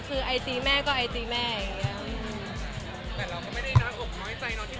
คือไอจีแม่ก็ไอจีแม่อย่างเงี้ย